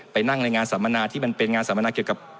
นั่งในงานสัมมนาที่มันเป็นงานสัมมนาเกี่ยวกับ